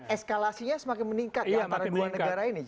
eskalasinya semakin meningkat ya antara dua negara ini